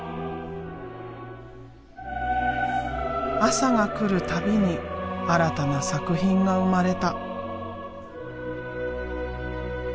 朝が来る度に新たな作品が生まれた。